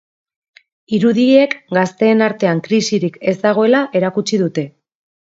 Irudiek gazteen artean krisirik ez dagoela erakutsi dute.